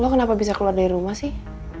lo kenapa bisa keluar dari rumah sih